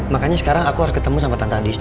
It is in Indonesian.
maka sekarang aku harus ketemu sama tante andis